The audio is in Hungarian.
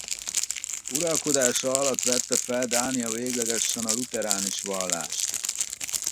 Uralkodása alatt vette fel Dánia véglegesen a lutheránus vallást.